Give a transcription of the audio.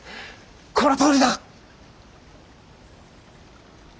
このとおりだ！